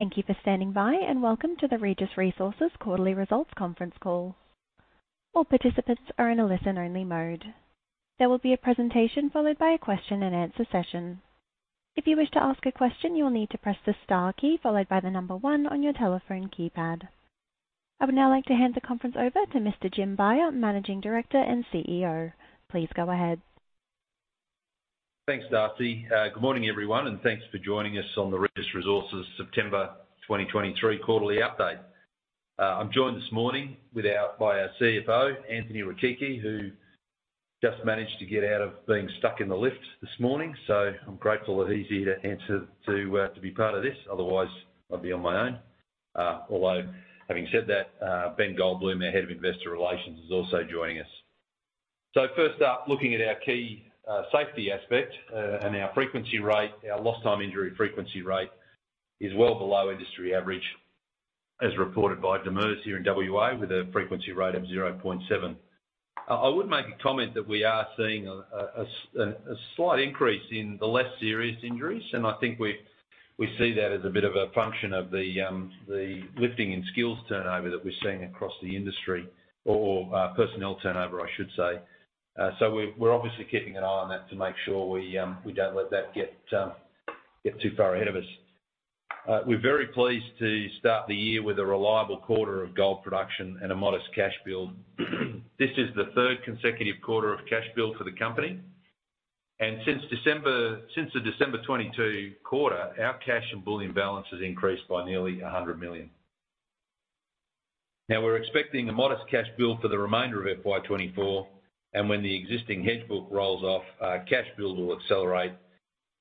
Thank you for standing by, and welcome to the Regis Resources Quarterly Results Conference Call. All participants are in a listen-only mode. There will be a presentation, followed by a question-and-answer session. If you wish to ask a question, you will need to press the star key followed by the number one on your telephone keypad. I would now like to hand the conference over to Mr. Jim Beyer, Managing Director and CEO. Please go ahead. Thanks, Darcy. Good morning, everyone, and thanks for joining us on the Regis Resources September 2023 quarterly update. I'm joined this morning with our, by our CFO, Anthony Rechichi, who just managed to get out of being stuck in the lift this morning. So I'm grateful that he's here to answer, to, to be part of this. Otherwise, I'd be on my own. Although, having said that, Ben Goldbloom, our Head of Investor Relations, is also joining us. So first up, looking at our key safety aspect, and our frequency rate. Our lost time injury frequency rate is well below industry average, as reported by DMIRS here in WA, with a frequency rate of 0.7. I would make a comment that we are seeing a slight increase in the less serious injuries, and I think we see that as a bit of a function of the lifting and skills turnover that we're seeing across the industry, or personnel turnover, I should say. So we're obviously keeping an eye on that to make sure we don't let that get too far ahead of us. We're very pleased to start the year with a reliable quarter of gold production and a modest cash build. This is the third consecutive quarter of cash build for the company, and since December, since the December 2022 quarter, our cash and bullion balance has increased by nearly 100 million. Now, we're expecting a modest cash build for the remainder of FY 2024, and when the existing hedge book rolls off, cash build will accelerate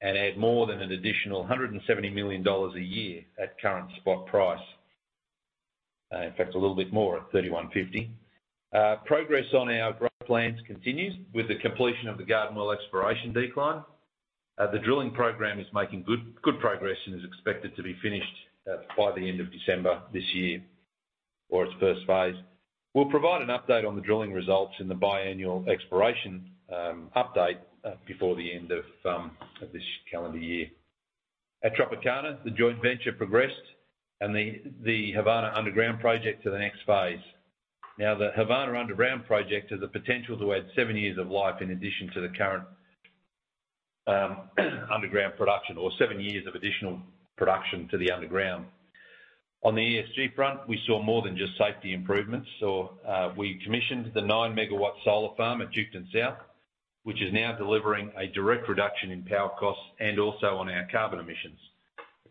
and add more than an additional $170 million a year at current spot price. In fact, a little bit more at $3,150. Progress on our growth plans continues with the completion of the Garden Well exploration decline. The drilling program is making good, good progress and is expected to be finished by the end of December this year, or its first phase. We'll provide an update on the drilling results in the biannual exploration update before the end of this calendar year. At Tropicana, the joint venture progressed and the Havana Underground Project to the next phase. Now, the Havana Underground Project has the potential to add seven years of life in addition to the current underground production, or seven years of additional production to the underground. On the ESG front, we saw more than just safety improvements. We commissioned the 9MW solar farm at Duketon South, which is now delivering a direct reduction in power costs and also on our carbon emissions.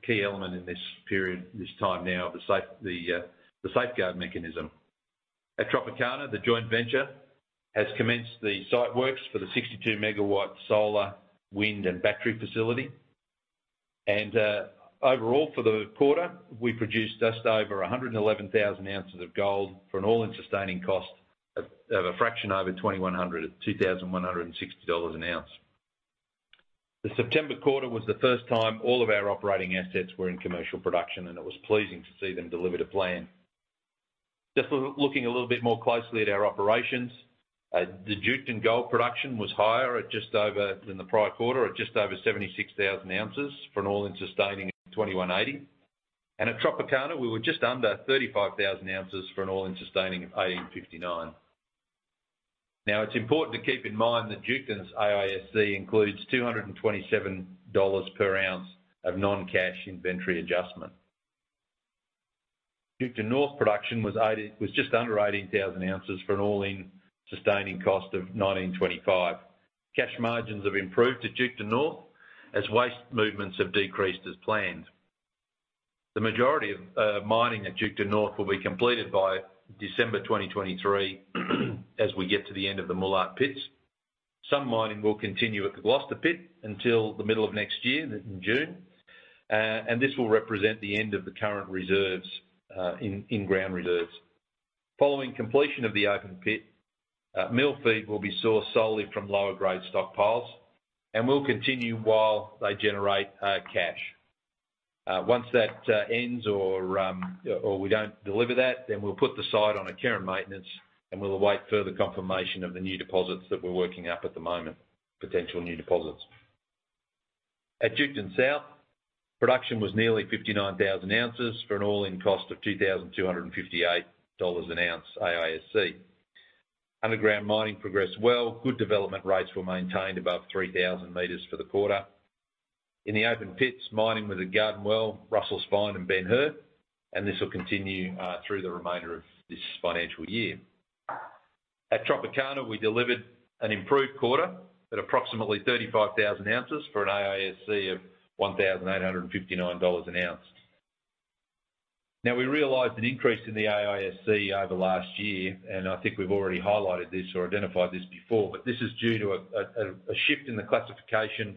A key element in this period, this time now, the Safeguard Mechanism. At Tropicana, the joint venture has commenced the site works for the 62MW solar, wind, and battery facility. Overall, for the quarter, we produced just over 111,000 ounces of gold for an all-in sustaining cost of a fraction over $2,100, at $2,160 an ounce. The September quarter was the first time all of our operating assets were in commercial production, and it was pleasing to see them deliver the plan. Just looking a little bit more closely at our operations, the Duketon gold production was higher than the prior quarter, at just over 76,000 ounces for an all-in sustaining of $2,180. And at Tropicana, we were just under 35,000 ounces for an all-in sustaining of $1,859. Now, it's important to keep in mind that Duketon's AISC includes $227 per ounce of non-cash inventory adjustment. Duketon North production was just under 18,000 ounces for an all-in sustaining cost of $1,925. Cash margins have improved at Duketon North as waste movements have decreased as planned. The majority of mining at Duketon North will be completed by December 2023, as we get to the end of the Moolart Well pits. Some mining will continue at the Gloster pit until the middle of next year, in June, and this will represent the end of the current reserves, in-ground reserves. Following completion of the open pit, mill feed will be sourced solely from lower-grade stockpiles and will continue while they generate cash. Once that ends or we don't deliver that, then we'll put the site on care and maintenance, and we'll await further confirmation of the new deposits that we're working up at the moment, potential new deposits. At Duketon South, production was nearly 59,000 ounces for an all-in cost of $2,258 an ounce AISC. Underground mining progressed well. Good development rates were maintained above 3,000 meters for the quarter. In the open pits, mining was at Garden Well, Russell Spine, and Ben Hur, and this will continue through the remainder of this financial year. At Tropicana, we delivered an improved quarter at approximately 35,000 ounces for an AISC of $1,859 an ounce. Now, we realized an increase in the AISC over last year, and I think we've already highlighted this or identified this before, but this is due to a shift in the classification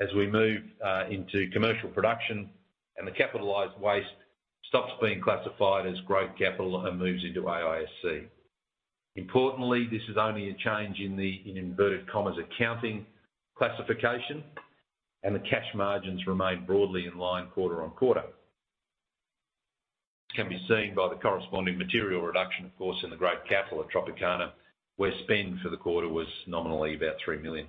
as we move into commercial production and the capitalized waste stops being classified as growth capital and moves into AISC. Importantly, this is only a change in the, in inverted commas, "accounting" classification, and the cash margins remain broadly in line quarter on quarter. Can be seen by the corresponding material reduction, of course, in the great capital at Tropicana, where spend for the quarter was nominally about 3 million.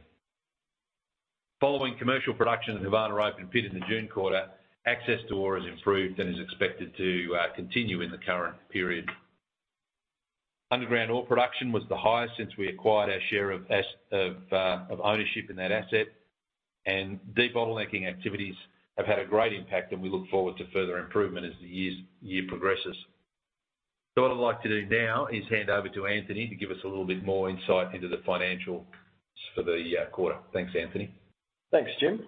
Following commercial production at Havana Open Pit in the June quarter, access to ore has improved and is expected to continue in the current period. Underground ore production was the highest since we acquired our share of ownership in that asset, and de-bottlenecking activities have had a great impact, and we look forward to further improvement as the year progresses. So what I'd like to do now is hand over to Anthony to give us a little bit more insight into the financials for the quarter. Thanks, Anthony. Thanks, Jim.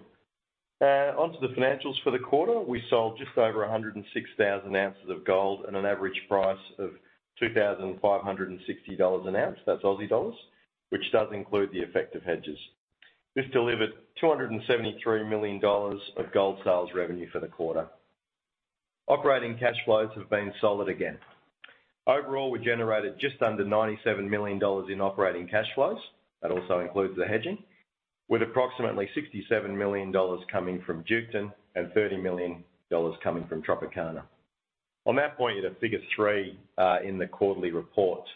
Onto the financials for the quarter. We sold just over 106,000 ounces of gold at an average price of 2,560 dollars an ounce, that's AUD, which does include the effect of hedges. This delivered 273 million dollars of gold sales revenue for the quarter. Operating cash flows have been solid again. Overall, we generated just under 97 million dollars in operating cash flows, that also includes the hedging, with approximately 67 million dollars coming from Duketon and 30 million dollars coming from Tropicana. On that point, you'd have figure 3 in the quarterly report,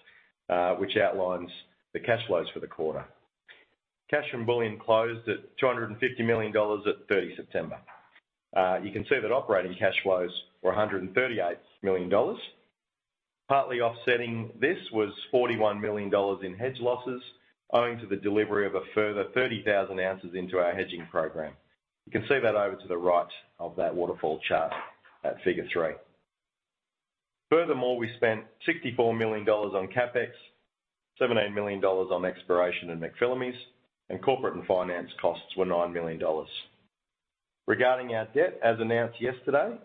which outlines the cash flows for the quarter. Cash and bullion closed at 250 million dollars at September 30th. You can see that operating cash flows were 138 million dollars. Partly offsetting this was 41 million dollars in hedge losses, owing to the delivery of a further 30,000 ounces into our hedging program. You can see that over to the right of that waterfall chart at Figure 3. Furthermore, we spent AUD 64 million on CapEx, AUD 17 million on exploration in McPhillamys, and corporate and finance costs were AUD 9 million. Regarding our debt, as announced yesterday,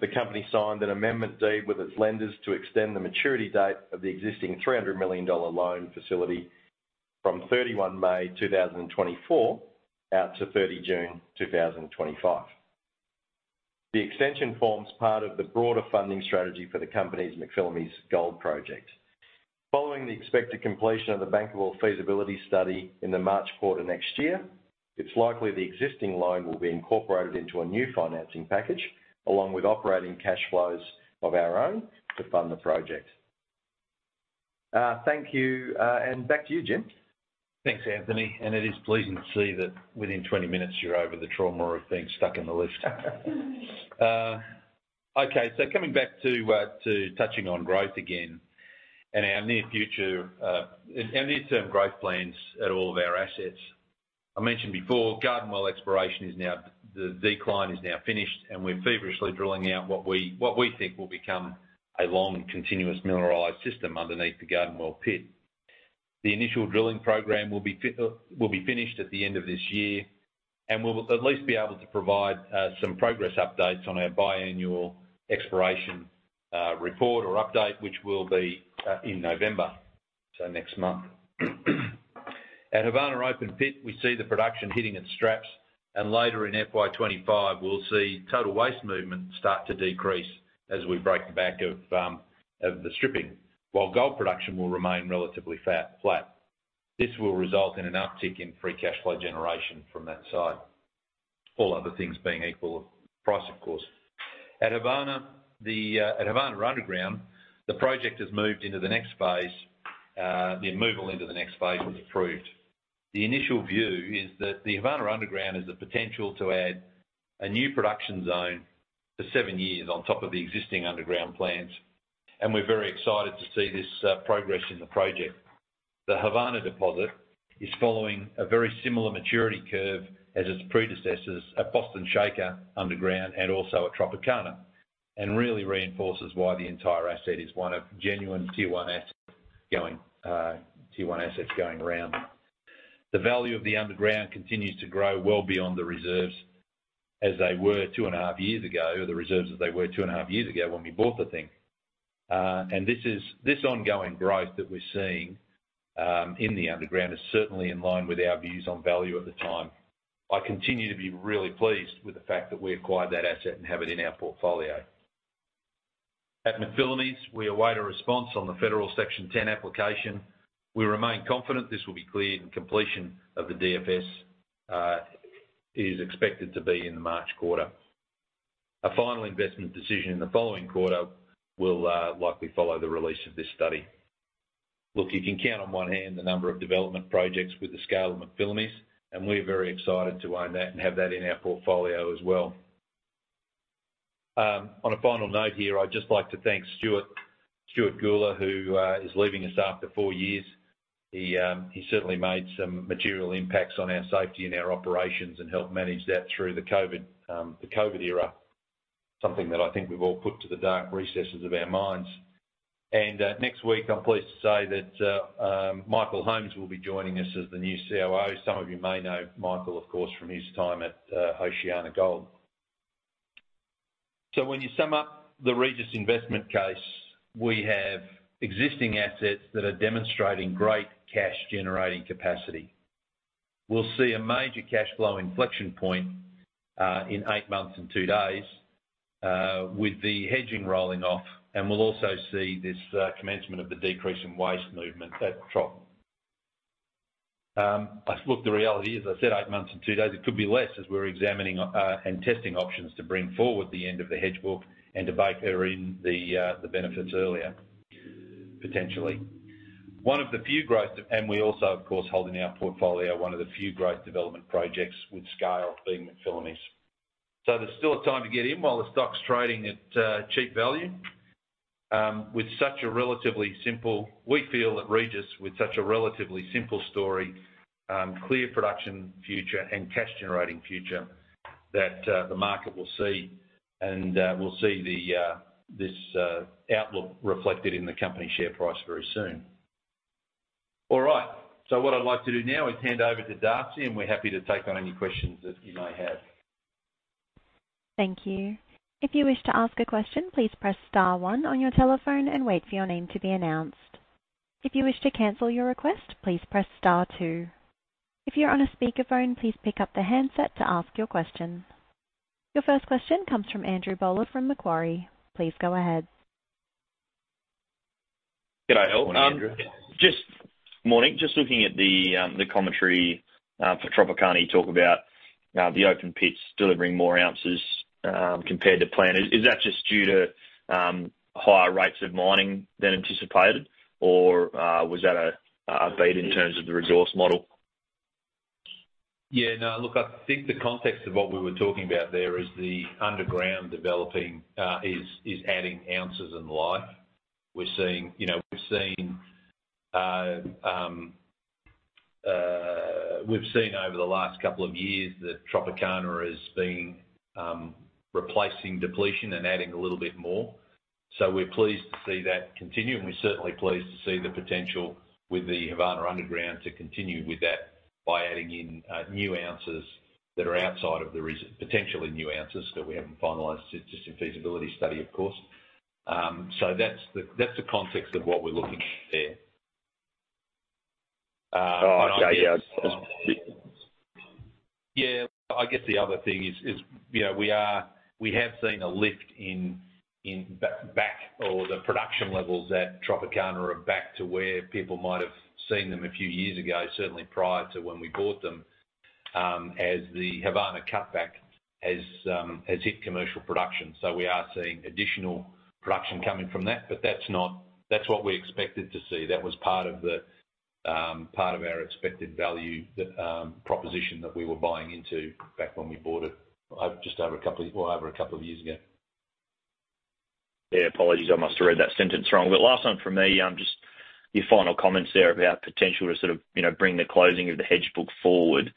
the company signed an amendment deed with its lenders to extend the maturity date of the existing 300 million dollar loan facility from May 31st 2024, out to June 30th 2025. The extension forms part of the broader funding strategy for the company's McPhillamys Gold project. Following the expected completion of the Bankable Feasibility Study in the March quarter next year, it's likely the existing loan will be incorporated into a new financing package, along with operating cash flows of our own to fund the project. Thank you, and back to you, Jim. Thanks, Anthony, and it is pleasing to see that within 20 minutes, you're over the trauma of being stuck in the lift. Okay, so coming back to touching on growth again, and our near future, and near-term growth plans at all of our assets. I mentioned before, Garden Well exploration is now. The decline is now finished, and we're feverishly drilling out what we, what we think will become a long and continuous mineralized system underneath the Garden Well pit. The initial drilling program will be finished at the end of this year, and we'll at least be able to provide some progress updates on our biannual exploration report or update, which will be in November, so next month. At Havana Open Pit, we see the production hitting its straps, and later in FY 2025, we'll see total waste movement start to decrease as we break the back of of the stripping, while gold production will remain relatively flat. This will result in an uptick in free cash flow generation from that site, all other things being equal, price, of course. At Havana, the Havana Underground, the project has moved into the next phase, the move into the next phase was approved. The initial view is that the Havana Underground has the potential to add a new production zone for seven years on top of the existing underground plans, and we're very excited to see this progress in the project. The Havana deposit is following a very similar maturity curve as its predecessors at Boston Shaker Underground, and also at Tropicana, and really reinforces why the entire asset is one of genuine Tier 1 asset going, Tier 1 assets going round. The value of the underground continues to grow well beyond the reserves as they were 2.5 years ago, or the reserves as they were 2.5 years ago when we bought the thing. And this is, this ongoing growth that we're seeing in the underground is certainly in line with our views on value at the time. I continue to be really pleased with the fact that we acquired that asset and have it in our portfolio. At McPhillamys, we await a response on the Federal Section 10 application. We remain confident this will be cleared, and completion of the DFS is expected to be in the March quarter. A final investment decision in the following quarter will likely follow the release of this study. Look, you can count on one hand the number of development projects with the scale of McPhillamys, and we're very excited to own that and have that in our portfolio as well. On a final note here, I'd just like to thank Stuart Gula, who is leaving us after four years. He certainly made some material impacts on our safety and our operations and helped manage that through the COVID, the COVID era. Something that I think we've all put to the dark recesses of our minds. Next week, I'm pleased to say that Michael Holmes will be joining us as the new COO. Some of you may know Michael, of course, from his time at OceanaGold. So when you sum up the Regis investment case, we have existing assets that are demonstrating great cash-generating capacity. We'll see a major cash flow inflection point in eight months and two days with the hedging rolling off, and we'll also see this commencement of the decrease in waste movement at Trop. Look, the reality is, as I said, eight months and two days, it could be less as we're examining and testing options to bring forward the end of the hedge book and to bake in the the benefits earlier... potentially. One of the few growth, and we also, of course, hold in our portfolio one of the few growth development projects with scale being McPhillamys. So there's still time to get in while the stock's trading at cheap value. With such a relatively simple, we feel that Regis, with such a relatively simple story, clear production future, and cash-generating future, that the market will see, and we'll see this outlook reflected in the company share price very soon. All right, so what I'd like to do now is hand over to Darcy, and we're happy to take on any questions that you may have. Thank you. If you wish to ask a question, please press star one on your telephone and wait for your name to be announced. If you wish to cancel your request, please press star two. If you're on a speakerphone, please pick up the handset to ask your question. Your first question comes from Andrew Bowler, from Macquarie. Please go ahead. G'day, all. Morning, Andrew. Morning. Just looking at the commentary for Tropicana, talk about the open pits delivering more ounces compared to plan. Is that just due to higher rates of mining than anticipated? Or was that a beat in terms of the resource model? Yeah, no. Look, I think the context of what we were talking about there is the underground developing is adding ounces in life. We're seeing, you know, we've seen, we've seen over the last couple of years that Tropicana has been replacing depletion and adding a little bit more. So we're pleased to see that continue, and we're certainly pleased to see the potential with the Havana Underground to continue with that by adding in new ounces that are outside of the recent- potentially new ounces that we haven't finalized since the feasibility study, of course. So that's the, that's the context of what we're looking at there. Oh, okay, yeah. Yeah, I guess the other thing is, you know, we are, we have seen a lift in back or the production levels at Tropicana are back to where people might have seen them a few years ago, certainly prior to when we bought them, as the Havana cutback has hit commercial production. So we are seeing additional production coming from that, but that's not. That's what we expected to see. That was part of the, part of our expected value, the proposition that we were buying into back when we bought it, just over a couple of years ago. Yeah, apologies, I must have read that sentence wrong. But last one from me, just your final comments there about potential to sort of, you know, bring the closing of the hedge book forward.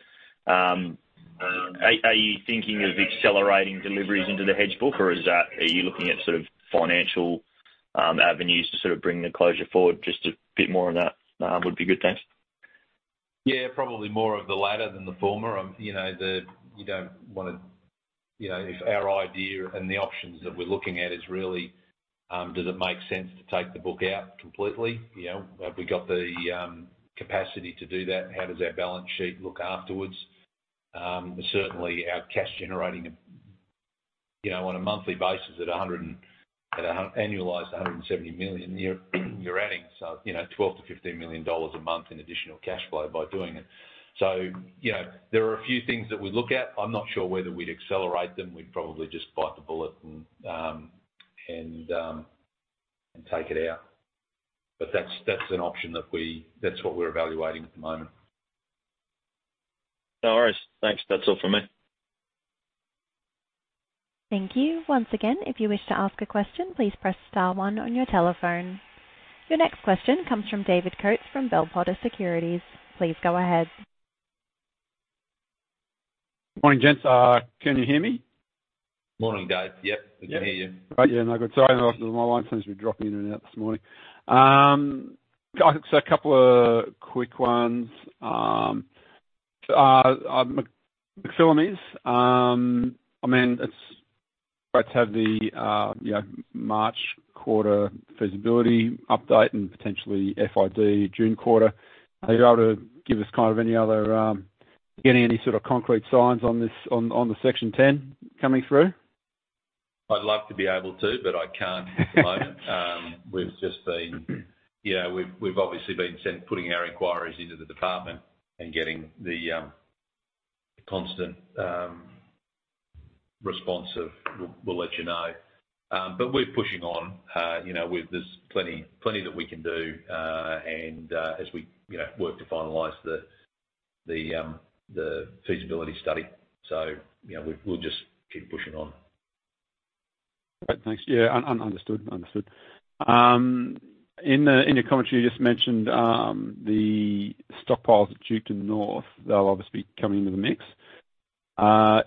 Are, are you thinking of accelerating deliveries into the hedge book, or is that, are you looking at sort of financial avenues to sort of bring the closure forward? Just a bit more on that, would be good, thanks. Yeah, probably more of the latter than the former. You know, the, you don't wanna... You know, if our idea and the options that we're looking at is really, does it make sense to take the book out completely? You know, have we got the, capacity to do that? How does our balance sheet look afterwards? Certainly, our cash-generating, you know, on a monthly basis at a hundred and, annualized, 170 million, you're adding so, you know, 12 million-15 million dollars a month in additional cash flow by doing it. So, you know, there are a few things that we look at. I'm not sure whether we'd accelerate them. We'd probably just bite the bullet and, and take it out. But that's that's an option that we- that's what we're evaluating at the moment. No worries. Thanks. That's all for me. Thank you. Once again, if you wish to ask a question, please press star one on your telephone. Your next question comes from David Coates, from Bell Potter Securities. Please go ahead. Morning, gents. Can you hear me? Morning, Dave. Yep, we can hear you. Yeah. Yeah, no, good. Sorry, my line seems to be dropping in and out this morning. Got a couple of quick ones. McPhillamys, I mean, it's great to have the, you know, March quarter feasibility update and potentially FID June quarter. Are you able to give us kind of any other... Getting any sort of concrete signs on this, on, on the Section 10 coming through? I'd love to be able to, but I can't at the moment. We've just been, you know, we've obviously been sending our inquiries into the department and getting the constant response of, "We'll let you know." But we're pushing on. You know, there's plenty, plenty that we can do, and as we, you know, work to finalize the feasibility study. So, you know, we'll just keep pushing on. Great, thanks. Yeah, understood, understood. In your commentary, you just mentioned the stockpiles at Duketon North; they'll obviously be coming into the mix.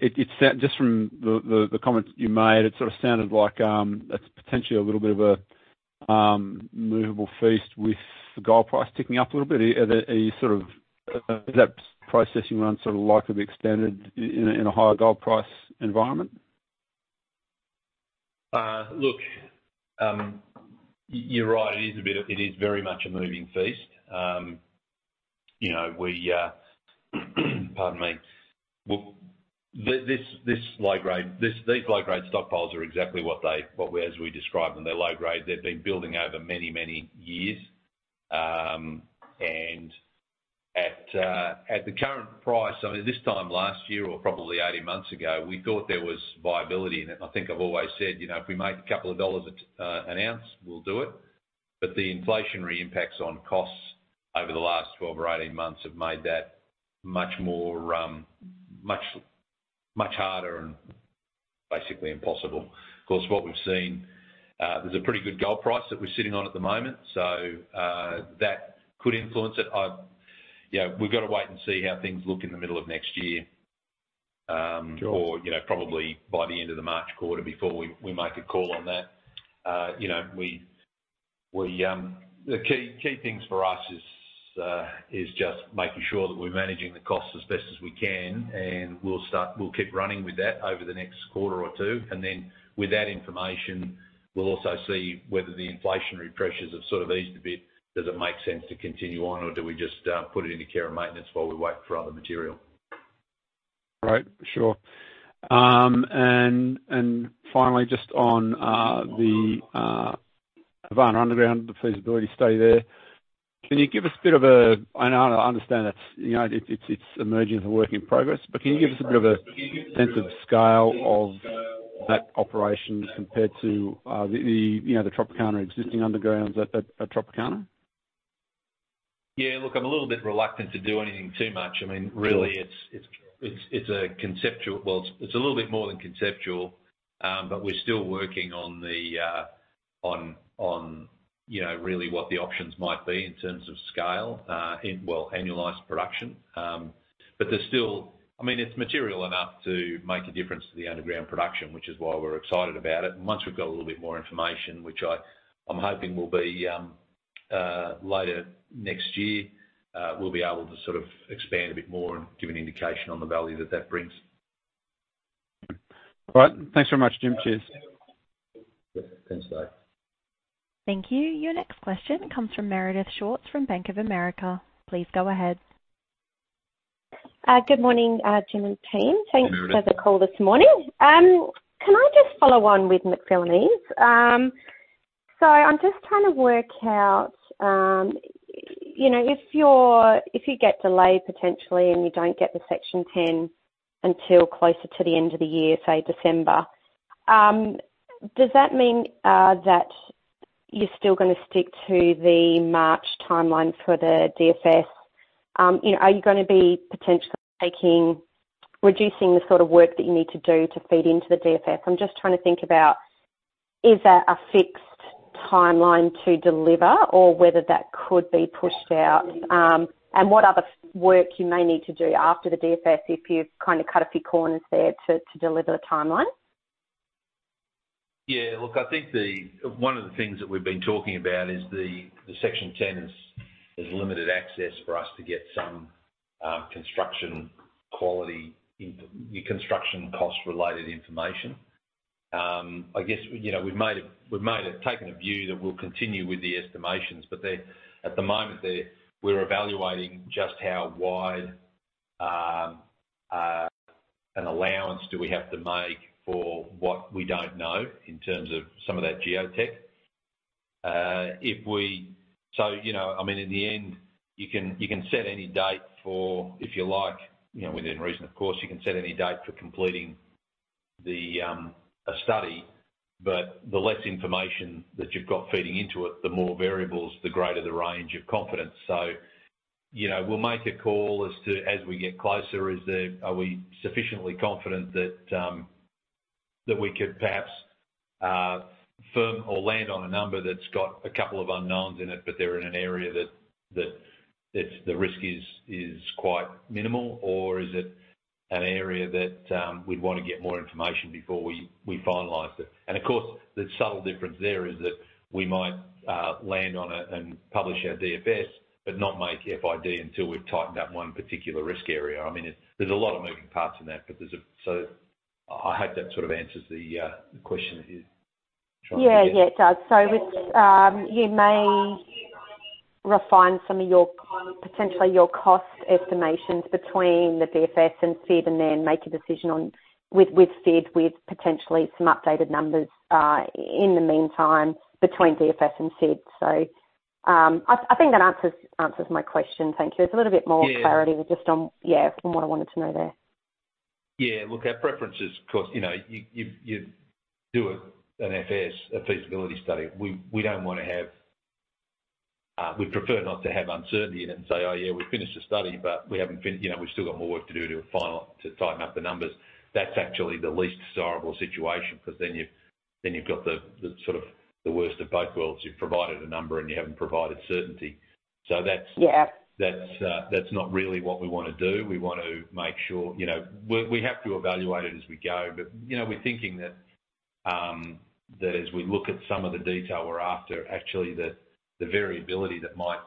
It sounds just from the comments you made; it sort of sounded like that's potentially a little bit of a movable feast with the gold price ticking up a little bit. Are you sort of is that processing run sort of likely extended in a higher gold price environment? Look, you're right. It is a bit of, it is very much a moving feast. You know, we, pardon me. Well, this, this low grade, this, these low-grade stockpiles are exactly what they, what we, as we described them, they're low grade. They've been building over many, many years. And at the, at the current price, I mean, this time last year, or probably 18 months ago, we thought there was viability in it. I think I've always said, you know, if we make a couple of dollars at an ounce, we'll do it. But the inflationary impacts on costs over the last 12 or 18 months have made that much more, much, much harder and basically impossible. Of course, what we've seen, there's a pretty good gold price that we're sitting on at the moment, so, that could influence it. You know, we've got to wait and see how things look in the middle of next year. Sure. or, you know, probably by the end of the March quarter before we make a call on that. You know, we, we the key things for us is just making sure that we're managing the costs as best as we can, and we'll keep running with that over the next quarter or two. And then with that information, we'll also see whether the inflationary pressures have sort of eased a bit. Does it make sense to continue on, or do we just put it into Care and Maintenance while we wait for other material? Right. Sure. And and finally, just on the Havana Underground, the feasibility study there. Can you give us a bit of a... I know, I understand that, you know, it's emerging as a work in progress, but can you give us a bit of a sense of scale of that operation compared to the Tropicana existing undergrounds at Tropicana? Yeah, look, I'm a little bit reluctant to do anything too much. I mean, really- Sure. It's a conceptual... Well, it's a little bit more than conceptual, but we're still working on the, on on you know, really what the options might be in terms of scale, in, well, annualized production. But there's still, I mean, it's material enough to make a difference to the underground production, which is why we're excited about it. Once we've got a little bit more information, which I'm hoping will be, later next year, we'll be able to sort of expand a bit more and give an indication on the value that that brings. All right. Thanks very much, Jim. Cheers. Yep. Thanks, Dave. Thank you. Your next question comes from Meredith Shears, from Bank of America. Please go ahead. Good morning, Jim and team. Hey, Meredith. Thanks for the call this morning. Can I just follow on with McPhillamys? So I'm just trying to work out, you know, if you, if you get delayed potentially, and you don't get the Section 10 until closer to the end of the year, say, December, does that mean that you're still gonna stick to the March timeline for the DFS? You know, are you gonna be potentially taking, reducing the sort of work that you need to do to feed into the DFS? I'm just trying to think about, is that a fixed timeline to deliver or whether that could be pushed out, and what other work you may need to do after the DFS if you've kind of cut a few corners there to deliver the timeline. Yeah, look, I think one of the things that we've been talking about is the Section 10 is limited access for us to get some construction quality in, construction cost-related information. I guess, you know, we've made a, we've made a taken a view that we'll continue with the estimations, but they, at the moment, they, we're evaluating just how wide an allowance do we have to make for what we don't know in terms of some of that geotech. If we—so, you know, I mean, in the end, you can, you can set any date for, if you like, you know, within reason, of course, you can set any date for completing the a study, but the less information that you've got feeding into it, the more variables, the greater the range of confidence. So, you know, we'll make a call as to, as we get closer, is there, are we sufficiently confident that that we could perhaps firm or land on a number that's got a couple of unknowns in it, but they're in an area that, that, it's, the risk is quite minimal, or is it an area that we'd want to get more information before we, we finalize it? And of course, the subtle difference there is that we might land on it and publish our DFS, but not make FID until we've tightened up one particular risk area. I mean, there's a lot of moving parts in that, but there's a... So I hope that sort of answers the question that you're trying to get. Yeah. Yeah, it does. So with, you may refine some of your, potentially your cost estimations between the DFS and FID, and then make a decision on, with FID, with potentially some updated numbers, in the meantime, between DFS and FID. So, I think that answers my question. Thank you. It's a little bit more- Yeah. Clarity just on, yeah, from what I wanted to know there. Yeah. Look, our preference is, of course, you know, you do an FS, a feasibility study. We don't wanna have; we'd prefer not to have uncertainty and then say, "Oh, yeah, we've finished the study, but we haven't fin-- you know, we've still got more work to do to final- to tighten up the numbers." That's actually the least desirable situation, but then you've, then you've got the sort of the worst of both worlds. You've provided a number, and you haven't provided certainty. So that's- Yeah. That's not really what we want to do. We want to make sure, you know, we have to evaluate it as we go. But, you know, we're thinking that as we look at some of the detail we're after, actually, the variability that we might,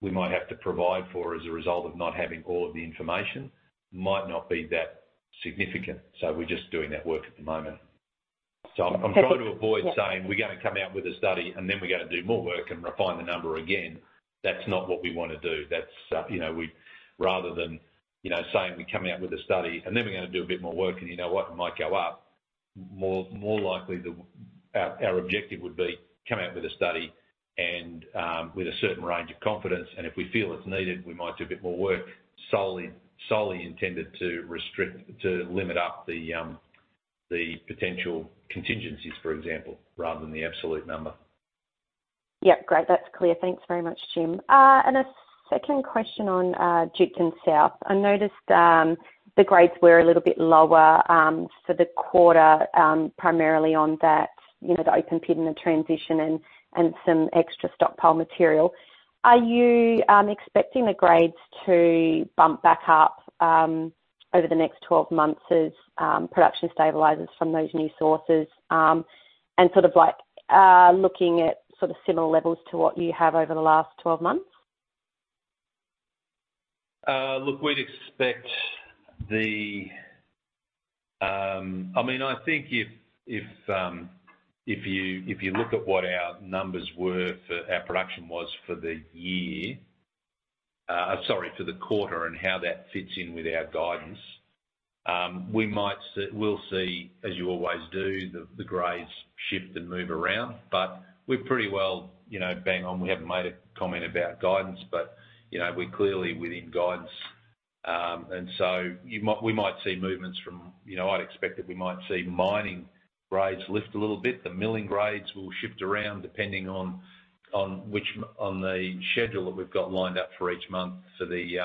we might have to provide for as a result of not having all of the information might not be that significant. So we're just doing that work at the moment. Okay. So I'm trying to avoid saying we're gonna come out with a study, and then we're gonna do more work and refine the number again. That's not what we wanna do. That's, you know, rather than, you know, saying we're coming out with a study, and then we're gonna do a bit more work, and you know what? It might go up, more likely our objective would be come out with a study and, with a certain range of confidence, and if we feel it's needed, we might do a bit more work solely intended to limit up the, the potential contingencies, for example, rather than the absolute number. Yep, great. That's clear. Thanks very much, Jim. And a second question on Duketon South. I noticed the grades were a little bit lower for the quarter, primarily on that, you know, the open pit and the transition and some extra stockpile material. Are you expecting the grades to bump back up over the next 12 months as production stabilizes from those new sources? And sort of like looking at sort of similar levels to what you have over the last 12 months? Look we would expect the, I mean, I think if you look at what our numbers were for our production was for the year, sorry for the quarter, and how that fits in with our guidance, we might see, we'll see, as you always do, the grades shift and move around, but we're pretty well, you know, bang on. We haven't made a comment about guidance, but, you know, we're clearly within guidance. And so we might see movements from, you know, I'd expect that we might see mining grades lift a little bit. The milling grades will shift around depending on the schedule that we've got lined up for each month for the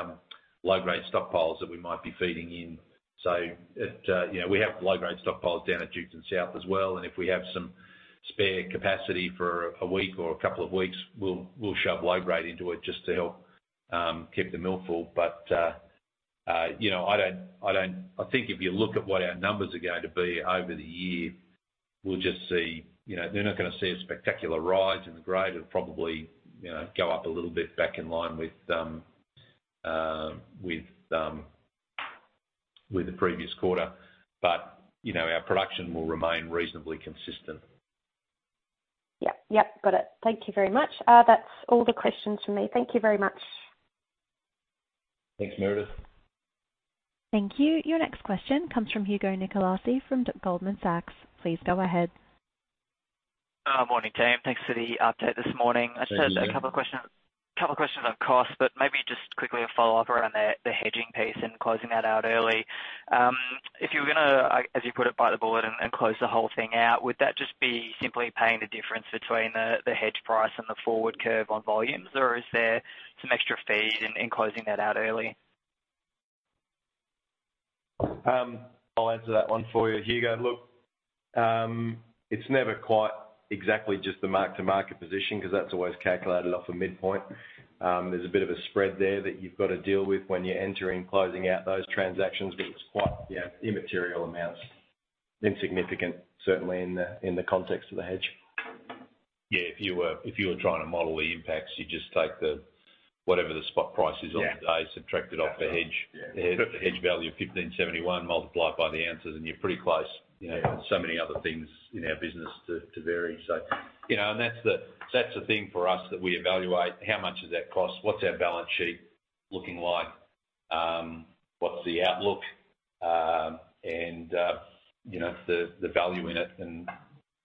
low-grade stockpiles that we might be feeding in. So it, you know, we have low-grade stockpiles down at Duketon South as well, and if we have some spare capacity for a week or a couple of weeks, we'll shove low grade into it just to help keep the mill full. But, you know, I don't think if you look at what our numbers are going to be over the year, we'll just see, you know, they're not gonna see a spectacular rise in the grade. It'll probably, you know, go up a little bit back in line with the, with the, with previous quarter. But, you know, our production will remain reasonably consistent. Yep. Yep. Got it. Thank you very much. That's all the questions from me. Thank you very much. Thanks, Meredith. Thank you. Your next question comes from Hugo Nicolaci from Goldman Sachs. Please go ahead. Morning, team. Thanks for the update this morning. Hey, Hugo. I just have a couple of questions, couple of questions on cost, but maybe just quickly a follow-up around the hedging piece and closing that out early. If you were gonna, as you put it, buy the bullet and close the whole thing out, would that just be simply paying the difference between the hedge price and the forward curve on volumes, or is there some extra fee in closing that out early? I'll answer that one for you, Hugo. Look, it's never quite exactly just the mark-to-market position, 'cause that's always calculated off a midpoint. There's a bit of a spread there that you've got to deal with when you're entering, closing out those transactions, but it's quite, yeah, immaterial amounts. Insignificant, certainly in the context of the hedge. Yeah, if you were trying to model the impacts, you'd just take whatever the spot price is on the day- Yeah Subtract it off the hedge. Yeah. The hedge value of 1,571, multiply it by the ounces, and you're pretty close. You know, so many other things in our business to vary. So, you know, and that's the thing for us, that we evaluate how much does that cost? What's our balance sheet looking like? What's the outlook? And, you know, the value in it, and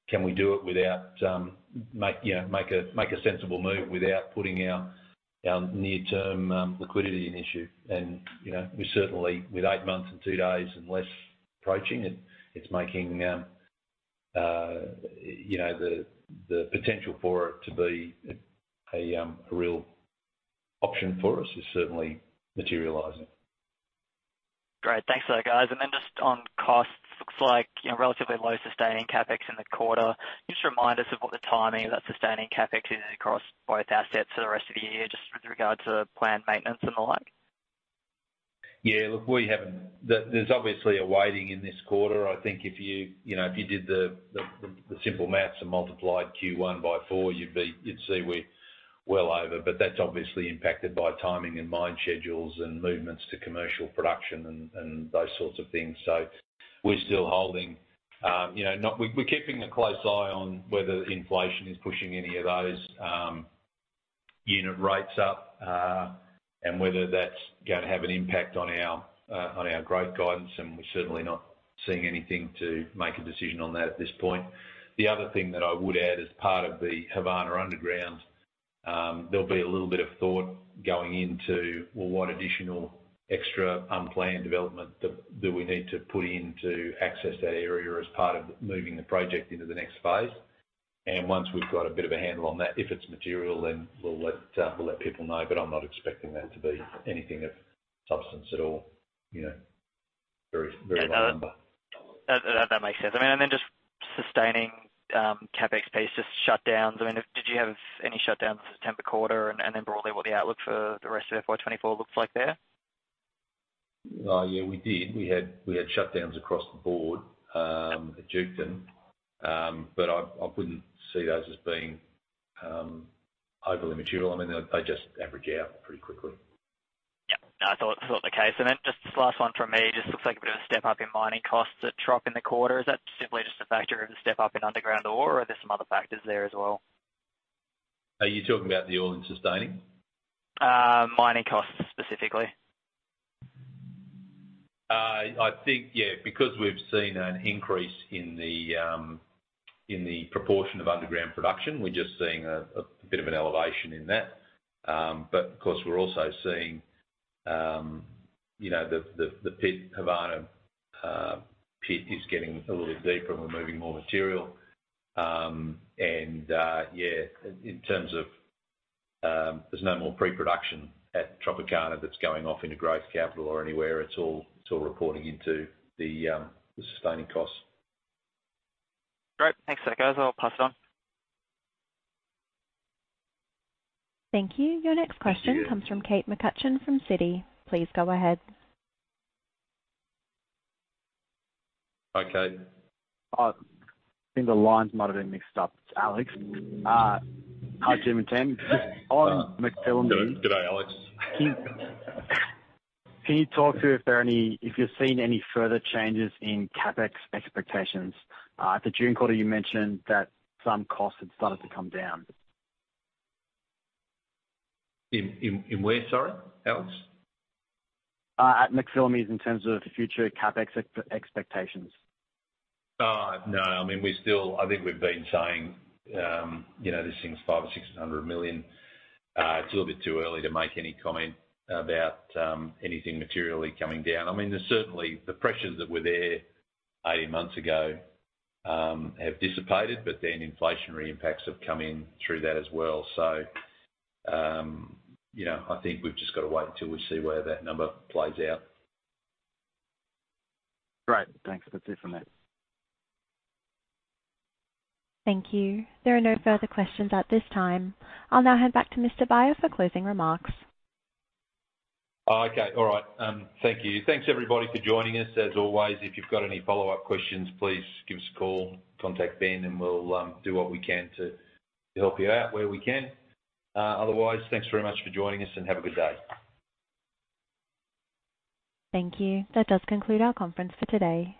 can we do it without make, you know, make a sensible move without putting our near-term liquidity in issue. And, you know, we certainly, with eight months and two days and less approaching it, it's making, you know, the potential for it to be a real option for us is certainly materializing. Great. Thanks for that, guys. And then just on costs, looks like, you know, relatively low sustaining CapEx in the quarter. Can you just remind us of what the timing of that sustaining CapEx is across both assets for the rest of the year, just with regard to planned maintenance and the like? Yeah, look, we haven't. There's obviously a waiting in this quarter. I think if you, you know, if you did the simple math and multiplied Q1 by four, you'd see we're well over. But that's obviously impacted by timing and mine schedules and movements to commercial production and those sorts of things. So we're still holding, you know, we're keeping a close eye on whether inflation is pushing any of those unit rates up, and whether that's gonna have an impact on our, on our growth guidance, and we're certainly not seeing anything to make a decision on that at this point. The other thing that I would add, as part of the Havana Underground, there'll be a little bit of thought going into, well, what additional extra unplanned development do we need to put in to access that area as part of moving the project into the next phase? And once we've got a bit of a handle on that, if it's material, then we'll let people know, but I'm not expecting that to be anything of substance at all, you know, very, very low number. That makes sense. I mean, and then just sustaining CapEx piece, just shutdowns. I mean, did you have any shutdowns in the September quarter? And then broadly, what the outlook for the rest of FY 2024 looks like there? Yeah, we did. We had shutdowns across the board at Duketon. But I wouldn't see those as being overly material. I mean, they just average out pretty quickly. Yep. No, I thought the case. And then just this last one from me, just looks like a bit of a step-up in mining costs at Trop in the quarter. Is that simply just a factor of the step up in underground ore, or are there some other factors there as well?... Are you talking about the AISC and sustaining? Mining costs specifically. I think, yeah, because we've seen an increase in the, in the proportion of underground production, we're just seeing a bit of an elevation in that. But of course, we're also seeing, you know, the, the, the pit, Havana, pit is getting a little deeper, and we're moving more material. And, yeah, in terms of, there's no more pre-production at Tropicana that's going off into growth capital or anywhere. It's all, it's all reporting into the, the sustaining costs. Great. Thanks, guys. I'll pass it on. Thank you. Your next question- Thank you. comes from Kate McCutcheon from Citi. Please go ahead. Hi, Kate. I think the lines might have been mixed up. It's Alex. Hi, Jim and Tim. I'm McPhillamys. G'day, Alex. Can you talk to if you're seeing any further changes in CapEx expectations? At the June quarter, you mentioned that some costs had started to come down. In where, sorry, Alex? At McPhillamys in terms of future CapEx expectations. No, I mean, we're still. I think we've been saying, you know, this thing's 500 million or 600 million. It's a little bit too early to make any comment about anything materially coming down. I mean, there's certainly the pressures that were there 18 months ago have dissipated, but then inflationary impacts have come in through that as well. So, you know, I think we've just got to wait until we see where that number plays out. Great. Thanks. That's it from me. Thank you. There are no further questions at this time. I'll now hand back to Mr. Beyer for closing remarks. Okay. All right. Thank you. Thanks, everybody, for joining us. As always, if you've got any follow-up questions, please give us a call. Contact Ben, and we'll do what we can to help you out where we can. Otherwise, thanks very much for joining us, and have a good day. Thank you. That does conclude our conference for today.